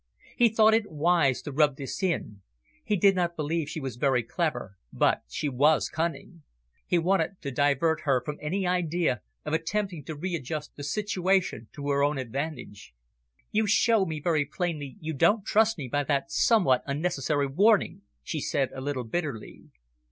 He thought it wise to rub this in. He did not believe she was very clever, but she was cunning. He wanted to divert her from any idea of attempting to readjust the situation to her own advantage. "You show me very plainly you don't trust me, by that somewhat unnecessary warning," she said a little bitterly.